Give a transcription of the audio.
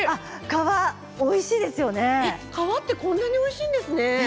皮がおいしい、皮ってこんなにおいしいんですね。